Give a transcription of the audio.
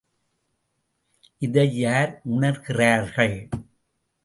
இதை யார் உணர்கிறார்கள்?